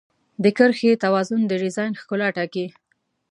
د کرښې توازن د ډیزاین ښکلا ټاکي.